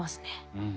うん。